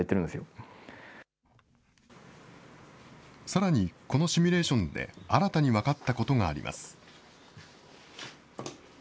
さらにこのシミュレーションで、新たに分かったことがあります。